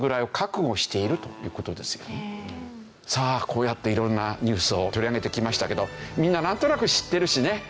こうやって色んなニュースを取り上げてきましたけどみんななんとなく知ってるしね